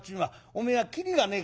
おめえは切りがねえからな。